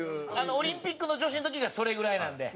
オリンピックの女子の時がそれぐらいなんで。